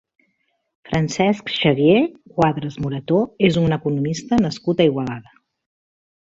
Francesc Xavier Cuadras Morató és un economista nascut a Igualada.